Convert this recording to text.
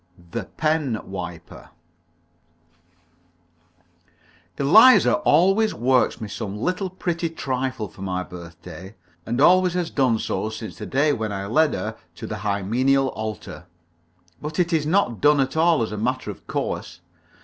THE PEN WIPER Eliza always works me some little pretty trifle for my birthday, and always has done so since the day when I led her to the hymeneal altar. But it is not done at all as a matter of course.